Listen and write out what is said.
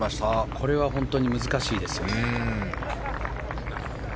これは本当に難しいですよね。